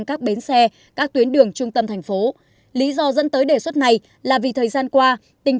các bến xe các tuyến đường trung tâm thành phố lý do dẫn tới đề xuất này là vì thời gian qua tình